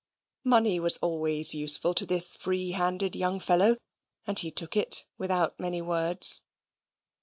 Money was always useful to this free handed young fellow, and he took it without many words.